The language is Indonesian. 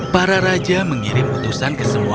para raja mengirim putusan keseluruhan